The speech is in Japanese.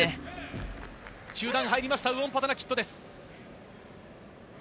中段に入りましたウオンパタナキットです。